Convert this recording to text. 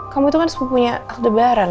kamu itu kan sepupunya al debaran